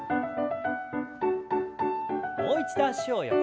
もう一度脚を横に。